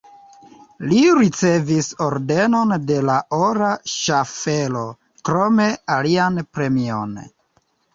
Li ricevis Ordenon de la Ora Ŝaffelo, krome alian premion.